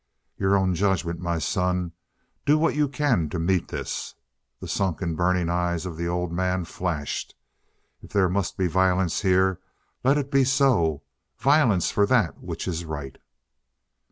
"Your own judgement, my son do what you can to meet this." The sunken, burning eyes of the old man flashed. "If there must be violence here, let it be so. Violence for that which is right."